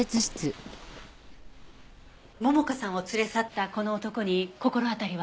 桃香さんを連れ去ったこの男に心当たりは？